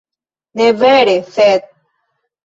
Ne vere, sed...